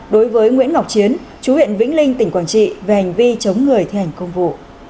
đối với nguyễn ngọc chiến chú huyện vĩnh linh tỉnh quảng trị về hành vi chống người thi hành công vụ